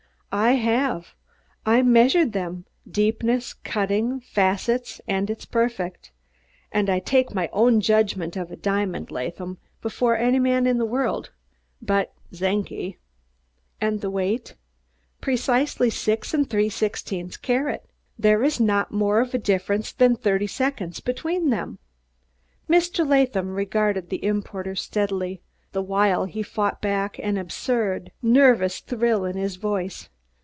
"I haf. I measure him, der deepness, der cudding, der facets, und id iss perfect. Und I take my own judgment of a diamond, Laadham, before any man der vorld in but Czenki." "And the weight?" "Prezizely six und d'ree sixdeendh carads. Dere iss nod more as a difference of a d'irty second bedween dem." Mr. Latham regarded the importer steadily, the while he fought back an absurd, nervous thrill in his voice.